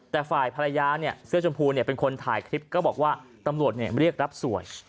แต่ฝ่ายภรรยาเนี่ยเสื้อชมพูเป็นคนถ่ายคลิปก็บอกว่าตำรวจเรียกรับสวย